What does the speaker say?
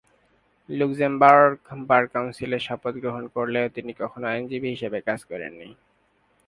Luxembourg bar কাউন্সিলে শপথ গ্রহণ করলেও তিনি কখনো আইনজীবী হিসেবে কাজ করেন নি।